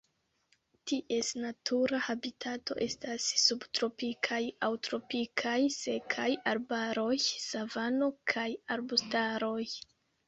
Ties natura habitato estas subtropikaj aŭ tropikaj sekaj arbaroj, savano kaj arbustaroj.